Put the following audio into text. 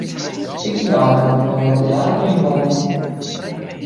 Ik hie eigentlik wol it teäter yn wollen.